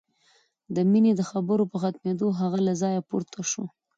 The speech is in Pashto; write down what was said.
د مينې د خبرو په ختمېدو هغه له ځايه پورته شو.